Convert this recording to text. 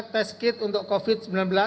tes kit untuk covid sembilan belas